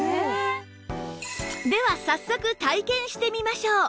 では早速体験してみましょう